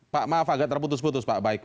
pak maaf agak terputus putus pak baik